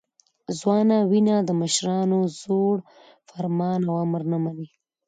ځوانه وینه د مشرانو زوړ فرمان او امر نه مني.